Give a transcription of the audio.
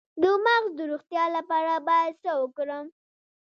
د مغز د روغتیا لپاره باید څه وکړم؟